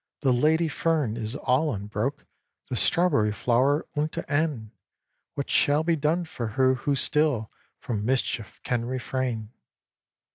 "The lady fern is all unbroke, The strawberry flower unta'en! What shall be done for her who still From mischief can refrain?"